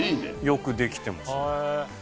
よくできてますね。